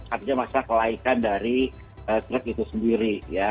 artinya masa kelaikan dari truk itu sendiri ya